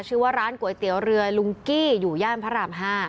ชื่อว่าร้านก๋วยเตี๋ยวเรือลุงกี้อยู่ย่านพระราม๕